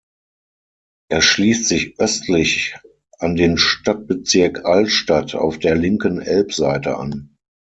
Er schließt sich östlich an den Stadtbezirk Altstadt auf der linken Elbseite an.